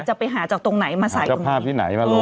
จะไปหาจากตรงไหนมาใส่ตรงนี้